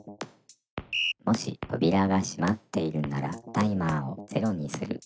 「もしとびらがしまっているならタイマーを０にする」。